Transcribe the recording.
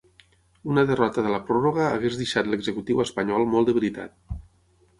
Una derrota de la pròrroga hagués deixat l’executiu espanyol molt debilitat.